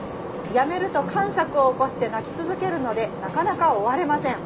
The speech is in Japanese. やめるとかんしゃくを起こして泣き続けるのでなかなか終われません。